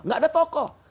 tidak ada tokoh